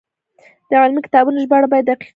د علمي کتابونو ژباړه باید دقیقه وي.